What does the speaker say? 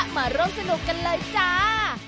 มาร่วมสนุกกันเลยจ้า